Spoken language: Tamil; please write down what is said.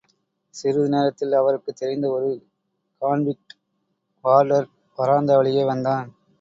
சிறிது நேரத்தில் அவருக்குத் தெரிந்த ஒரு கான்விக்ட் வார்டர் வராந்தாவழியே வந்தான்.